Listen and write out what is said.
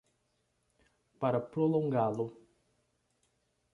Para prolongá-lo.